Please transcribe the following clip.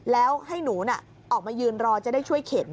แล้วให้หนูออกมายืนรอจะได้ช่วยเข็น